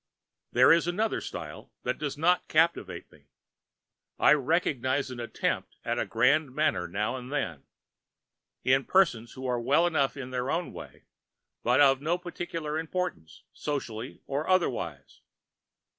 There is another style which does not captivate me. I recognize an attempt at the grand manner now and then, in persons who are well enough in their way, but of no particular importance, socially or otherwise.